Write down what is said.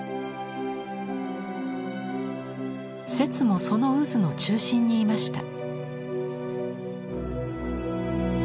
摂もその渦の中心にいました。